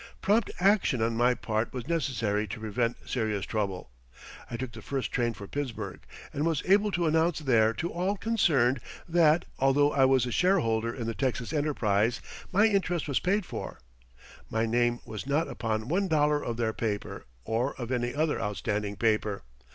Prompt action on my part was necessary to prevent serious trouble. I took the first train for Pittsburgh, and was able to announce there to all concerned that, although I was a shareholder in the Texas enterprise, my interest was paid for. My name was not upon one dollar of their paper or of any other outstanding paper.